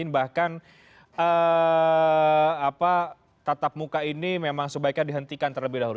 bahkan tatap muka ini memang sebaiknya dihentikan terlebih dahulu